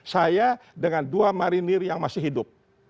saya dengan dua marinir yang masih hidup